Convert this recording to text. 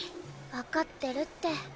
わかってるって。